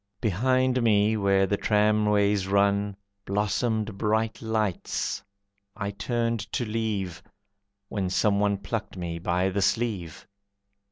Behind me, where the tramways run, Blossomed bright lights, I turned to leave, When someone plucked me by the sleeve.